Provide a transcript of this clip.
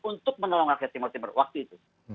untuk menolong rakyat timur timur waktu itu